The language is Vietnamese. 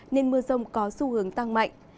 nên mưa rông có xu hướng tăng mạnh